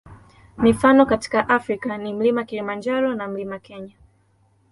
Mifano katika Afrika ni Mlima Kilimanjaro na Mlima Kenya.